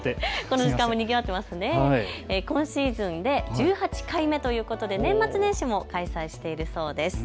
今シーズンで１８回目ということで年末年始も開催しているそうです。